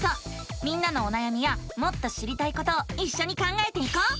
みんなのおなやみやもっと知りたいことをいっしょに考えていこう！